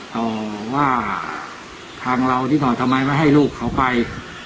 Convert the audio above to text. ต่อว่าทางเราที่ต่อทำไมไม่ให้ลูกเขาไป